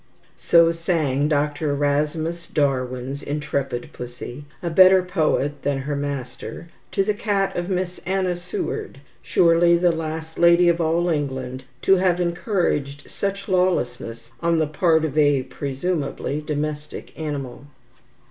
So sang Dr. Erasmus Darwin's intrepid pussy (a better poet than her master) to the cat of Miss Anna Seward, surely the last lady in all England to have encouraged such lawlessness on the part of a presumably domestic animal.